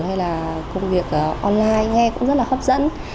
hay là công việc online nghe cũng rất là hấp dẫn